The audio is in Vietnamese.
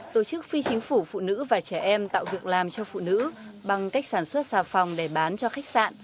tổ chức phi chính phủ phụ nữ và trẻ em tạo việc làm cho phụ nữ bằng cách sản xuất xà phòng để bán cho khách sạn